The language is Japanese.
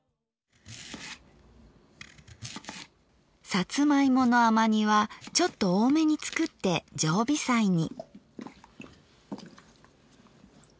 さつまいもの甘煮はちょっと多めに作って常備菜に。